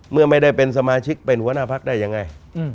เมื่อไม่ได้เป็นสมาชิกเป็นหัวหน้าพักได้ยังไง